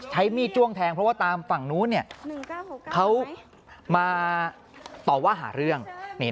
ใช้มีดจ้วงแทงเพราะว่าตามฝั่งนู้นเขามาต่อว่าหาเรื่อง